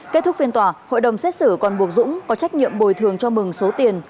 kết thúc phiên tòa hội đồng xét xử còn buộc dũng có trách nhiệm bồi thường cho mừng số tiền